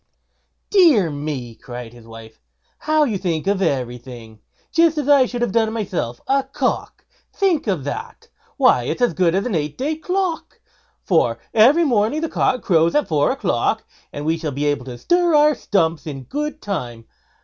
"Dear me!" cried his wife, "how you think of everything! just as I should have done myself. A cock! think of that! why it's as good as an eight day clock, for every morning the cock crows at four o'clock, and we shall be able to stir our stumps in good time.